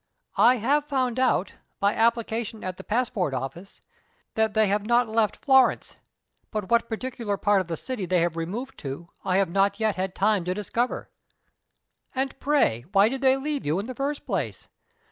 "I have found out, by application at the passport office, that they have not left Florence but what particular part of the city they have removed to, I have not yet had time to discover." "And pray why did they leave you, in the first place?